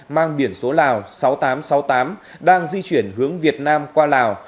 mang biển số lào sáu nghìn tám trăm sáu mươi tám đang di chuyển hướng việt nam qua lào